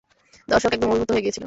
দর্শক একদম অভিভূত হয়ে গিয়েছিল।